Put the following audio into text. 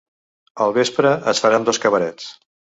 Al vespre es faran dos cabarets.